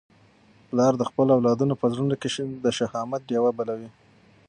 پلار د خپلو اولادونو په زړونو کي د شهامت ډېوه بلوي.